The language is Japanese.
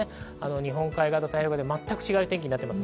日本海側と太平洋側で全く違う天気になっています。